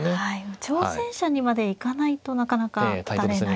挑戦者にまでいかないとなかなか当たれないと。